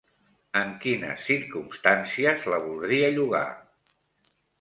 En quines circumstàncies la voldria llogar?